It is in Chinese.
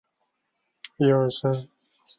本节介绍拉祜纳方言语音。